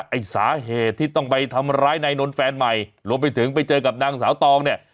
ไอ้สาเหตุที่ต้องไปทำร้ายนายนนท์แฟนใหม่รวมไปถึงไปเจอกับนางสาวตองเนี่ย